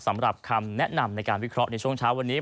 สำหรับคำแนะนำในการวิเคราะห์ในช่วงเช้าวันนี้